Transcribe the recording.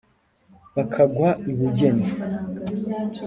Bakagwa i Bugeni.